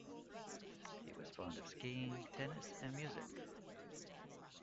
He was fond of skiing, tennis, and music.